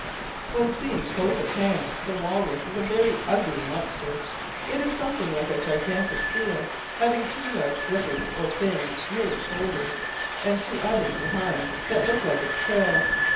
When seen close at hand the walrus is a very ugly monster. It is something like a gigantic seal, having two large flippers, or fins, near its shoulders, and two others behind, that look like its tail.